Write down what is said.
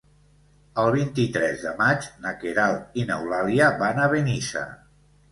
El vint-i-tres de maig na Queralt i n'Eulàlia van a Benissa.